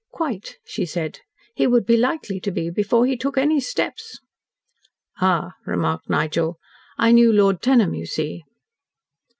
"Quite," she said. "He would be likely to be before he took any steps." "Ah," remarked Nigel. "I knew Lord Tenham, you see."